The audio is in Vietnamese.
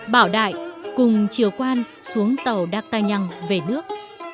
bảo đại cùng triều quan xuống tàu đặc tài nhăng về nước